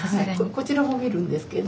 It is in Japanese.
こちらも見るんですけど。